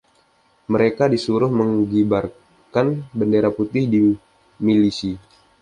Mereka disuruh mengibarkan bendera putih di milisi.